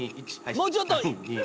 ［もうちょっと！］